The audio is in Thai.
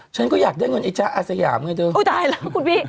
ฉันก็อยากได้เงินไอ้จ๊ะอาสยามไงเธอโอ้ได้แล้วคุณพี่